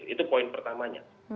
itu poin pertamanya